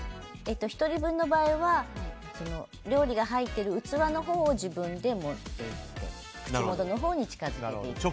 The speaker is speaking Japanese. １人分の場合は料理が入っている器のほうを自分で持っていって口元に近づけます。